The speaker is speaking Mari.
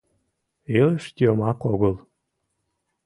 Илыш — йомак огыл.